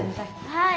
はい。